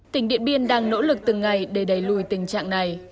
tỉnh điện biên đang nỗ lực từng ngày để đẩy lùi tình trạng này